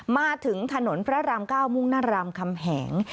มาถึงถนนพระรามก้าวมุ่งนรามคำแหง